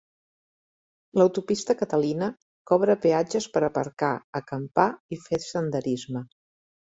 L"autopista Catalina cobra peatges per aparcar, acampar i fer senderisme.